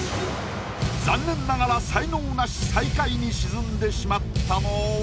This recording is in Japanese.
残念ながら才能ナシ最下位に沈んでしまったのは？